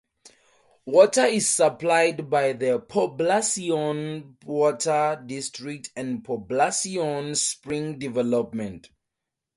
Water is supplied by the Poblacion Water District and Poblacion Spring Development.